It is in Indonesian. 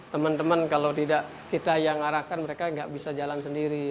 teman teman kalau tidak kita yang arahkan mereka nggak bisa jalan sendiri